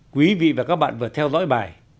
quý vị và các bạn vừa theo dõi bài